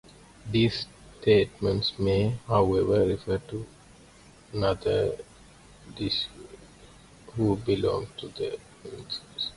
These statements may, however, refer to another Dositheus, who belonged to the Encratites.